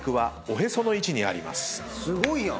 すごいやん！